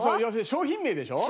商品名でしょ？